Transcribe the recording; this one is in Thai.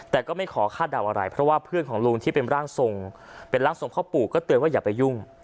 แต่ก็ไม่ขอคาดเดาอะไรเพราะว่าเพื่อนของลุงที่เป็นร่างทรงเป็นร่างทรงพ่อปู่ก็เตือนว่าอย่าไปยุ่ง